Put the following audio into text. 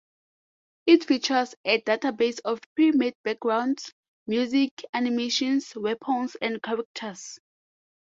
It features a database of pre-made backgrounds, music, animations, weapons and characters.